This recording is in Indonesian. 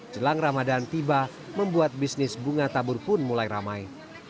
jelang ramadan tiba membuat bisnis bunga tabur pun mulai ramai